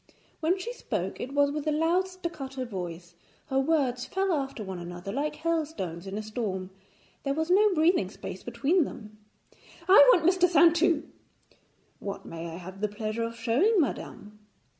When she spoke, it was with a loud staccato voice; her words fell after one another like hailstones in a storm, there was no breathing space between them. 'I want Mr. Saintou.' 'What may I have the pleasure of showing madame?'